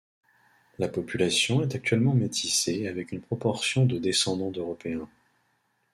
La population est actuellement métissée avec une proportion de descendants d'Européens.